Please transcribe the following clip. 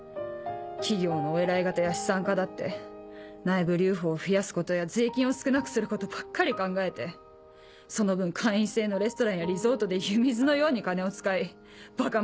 企業のお偉方や資産家だって内部留保を増やすことや税金を少なくすることばっかり考えてその分会員制のレストランやリゾートで湯水のように金を使いばか